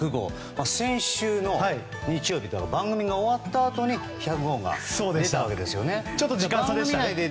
先週の日曜に番組が終わったあとに１００ホーマーが出たわけですよね。